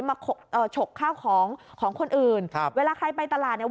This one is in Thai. เอ่อฉกข้าวของของคนอื่นครับเวลาใครไปตลาดเนี่ย